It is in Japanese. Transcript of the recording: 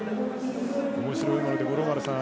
おもしろいもので、五郎丸さん。